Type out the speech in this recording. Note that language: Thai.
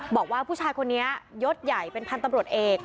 บอกว่าผู้ชายคนนี้ยศใหญ่เป็นพันธุ์ตำรวจเอก